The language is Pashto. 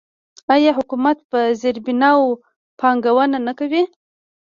آیا حکومت په زیربناوو پانګونه نه کوي؟